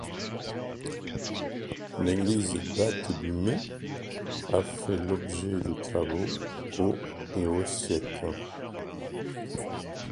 L'église date du mais a fait l'objet de travaux au et au siècles.